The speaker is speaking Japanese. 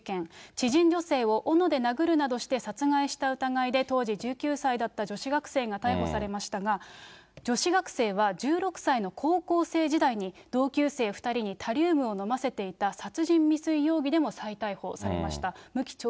知人女性を斧で殴るなどして殺害した疑いで当時１９歳だった女子学生が逮捕されましたが、女子学生は１６歳の高校生時代に同級生２人にタリウムを飲ませていた殺人未遂容疑でも再逮捕されました。